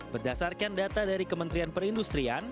berdasarkan data dari kementerian perindustrian